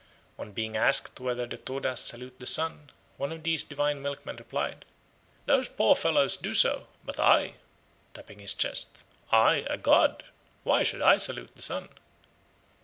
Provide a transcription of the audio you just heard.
On being asked whether the Todas salute the sun, one of these divine milkmen replied, "Those poor fellows do so, but I," tapping his chest, "I, a god! why should I salute the sun?"